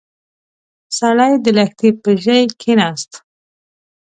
سړی د لښتي پر ژۍ کېناست.